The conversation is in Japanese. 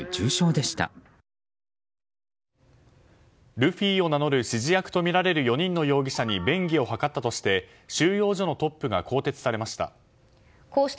ルフィを名乗る指示役とみられる４人の容疑者に便宜を図ったとして収容所のトップが更迭されました。